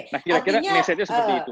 nah kira kira mesejnya seperti itu